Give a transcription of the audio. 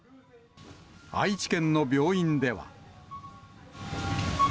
愛知県の病院では。